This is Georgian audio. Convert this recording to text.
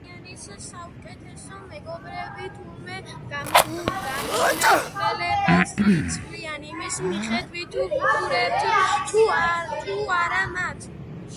ადამიანის საუკეთესო მეგობრები, თურმე, გამომეტყველებას იცვლიან იმის მიხედვით, ვუყურებთ თუ არა მათ.